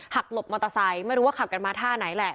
หลบมอเตอร์ไซค์ไม่รู้ว่าขับกันมาท่าไหนแหละ